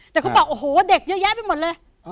แต่เขาบอกโอ้โหเด็กเยอะแยะไปหมดเลย